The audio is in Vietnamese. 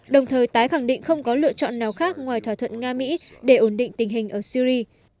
đồng thời tái khẳng định không có lựa chọn nào khác ngoài thỏa thuận nga mỹ để ổn định tình hình ở syri